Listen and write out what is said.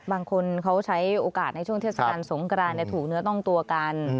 บางคนเขาใช้โอกาสในช่วงเทศกาลสงกรานถูกเนื้อต้องตัวกัน